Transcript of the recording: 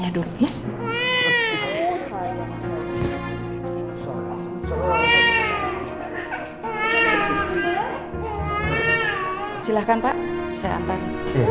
ya jadi kita akan pergi sekarang